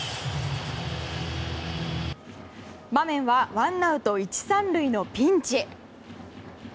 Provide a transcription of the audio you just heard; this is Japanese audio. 場面はワンアウト１、３塁のピンチ。